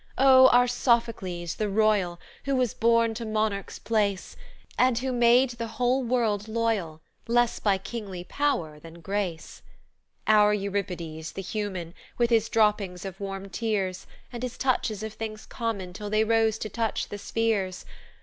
Oh, our Sophocles, the royal, Who was born to monarch's place, And who made the whole world loyal, Less by kingly power than grace. "Our Euripides, the human, With his droppings of warm tears, And his touches of things common Till they rose to touch the spheres!